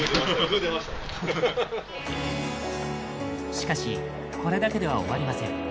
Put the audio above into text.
しかし、これだけでは終わりません。